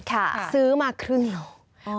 ข่าซื้อมาครึ่งเหลียว